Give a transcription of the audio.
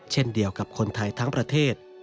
เช่นเดียวกับคนไทยทั้งประเทศ